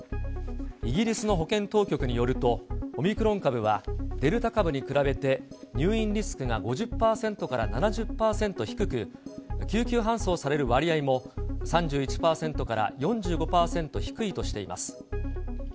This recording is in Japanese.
イギリスの保健当局によると、オミクロン株はデルタ株に比べて入院リスクが５０％から７０％低く、救急搬送される割合も３１％から４５％低いとしています。